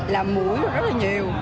là mũi rất là nhiều